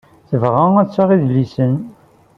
Tebɣa ad d-tseɣ idlisen.